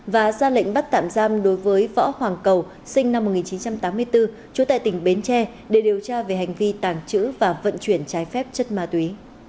và ra lệnh bắt tạm giam đối với võ hoàng cầu sinh năm một nghìn chín trăm tám mươi bốn trú tại tỉnh bến tre để điều tra về hành vi tàng trữ và vận chuyển trái phép chất ma túy